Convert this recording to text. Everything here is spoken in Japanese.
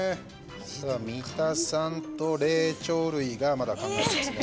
三田さんと霊長類がまだ考えてますね。